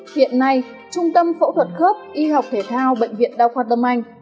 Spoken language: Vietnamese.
hiện nay trung tâm phẫu thuật khớp y học thể thao bệnh viện đa khoa tâm anh